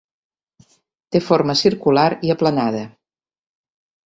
Té forma circular i aplanada.